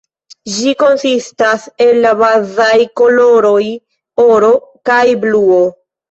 Ĝi konsistas el la bazaj koloroj oro kaj bluo.